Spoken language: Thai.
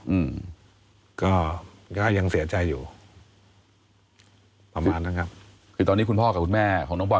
อืมก็ก็ยังเสียใจอยู่ประมาณนั้นครับคือตอนนี้คุณพ่อกับคุณแม่ของน้องปอ